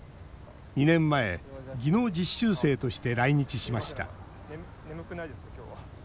２年前、技能実習生として来日しました。